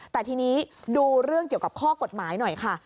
แต่ทีนี้ดูเรื่องเกี่ยวกับข้อกฎหมายหน่อยค่ะ